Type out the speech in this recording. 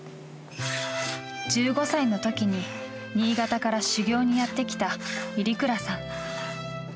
１５歳のときに、新潟から修業にやってきた入倉さん。